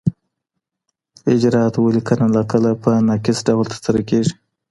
اجرات ولي کله ناکله په ناقص ډول ترسره کیږي؟